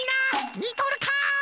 みとるかー。